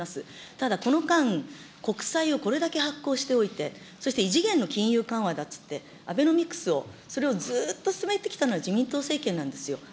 ただ、この間、国債をこれだけ発行しておいて、そして異次元の金融緩和だっつって、アベノミクスをそれをずっと進めてきたのは自民党政権なんですよ。